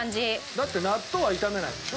だって納豆は炒めないんでしょ？